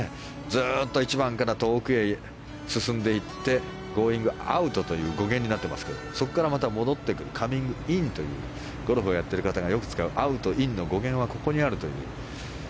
ずっと１番から遠くへ進んでいってゴーイングアウトという語源になっていますけれどもそこから戻ってくるカミングインというゴルフをやっている方がよく使うアウト、インの語源はここにあるという。